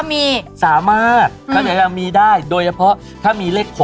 เพราะฉะนั้นใครที่มีเลข๐